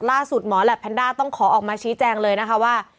หมอแหลปแพนด้าต้องขอออกมาชี้แจงเลยนะคะว่า